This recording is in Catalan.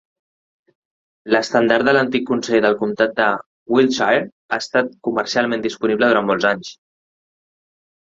L'estendard de l'antic Consell del comtat de Wiltshire ha estat comercialment disponible durant molts anys.